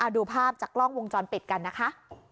ดูภาพจากกล้องวงจรปิดกันนะคะ